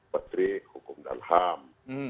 petri hukum dan ham